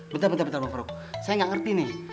bentar bentar bang farouk saya nggak ngerti nih